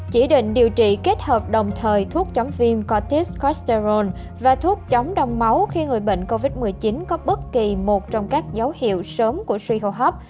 chỉ định điều trị kết hợp đồng thời thuốc chống viên corticosterone và thuốc chống đong máu khi người bệnh covid một mươi chín có bất kỳ một trong các dấu hiệu sớm của suy khô hấp